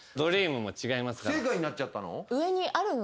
不正解になっちゃったの？